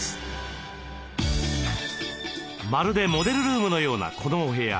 まるでモデルルームのようなこのお部屋。